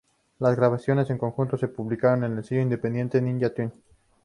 Las grabaciones del conjunto se publican en el sello independiente Ninja Tune.